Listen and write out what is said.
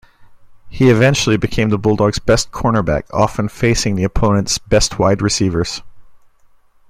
He eventually became the Bulldogs' best cornerback, often facing the opponents' best wide receivers.